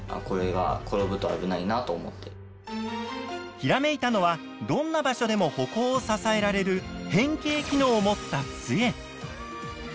ひらめいたのはどんな場所でも歩行を支えられる変形機能を持ったつえ。